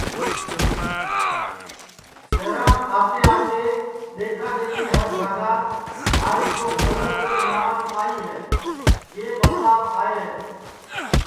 شہرام آتے آتے دِؔکھا دِؔکھی ہر جھاگا مہاری کُوم الگ الگ ناوس پائی ہے یو بدلاو آئے ہے